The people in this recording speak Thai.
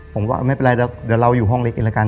ผมว่าไม่เป็นไรเดี๋ยวเราอยู่ห้องเล็กเองละกัน